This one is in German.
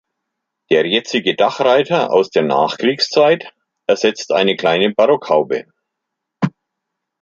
Der jetzige Dachreiter aus der Nachkriegszeit ersetzt eine kleine Barockhaube.